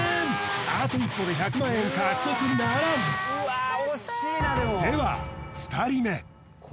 あと一歩で１００万円獲得ならずでは２人目